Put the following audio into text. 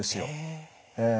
ええ。